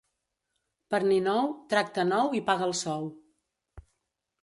Per Ninou, tracte nou i paga el sou.